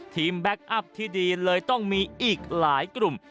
แบ็คอัพที่ดีเลยต้องมีอีกหลายกลุ่ม